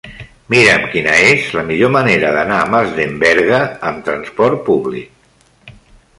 Mira'm quina és la millor manera d'anar a Masdenverge amb trasport públic.